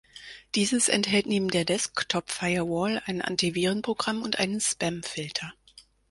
Dieses enthält neben der Desktop-Firewall ein Antivirenprogramm und einen Spamfilter.